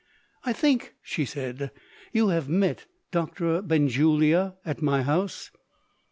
"I think," she said, "you have met Doctor Benjulia at my house?"